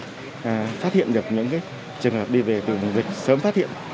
và phát hiện được những cái trường hợp đi về từng dịch sớm phát hiện